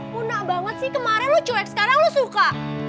puna banget sih kemarin lo cuek sekarang lo suka